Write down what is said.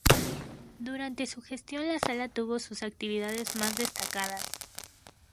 Durante su gestión la sala tuvo sus actividades más destacadas.